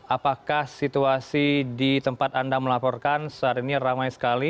apakah situasi di tempat anda melaporkan saat ini ramai sekali